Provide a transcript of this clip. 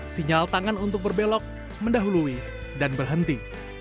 sinyal tangan untuk berbelok mendahului dan berhenti